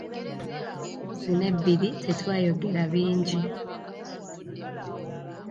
Mu nnaku zino ebbiri tetwayogera bingi.